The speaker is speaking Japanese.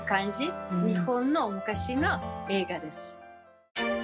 日本の昔の映画です。